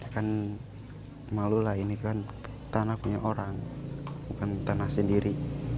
kan malu lah ini kan tanah punya orang bukan tanah sendiri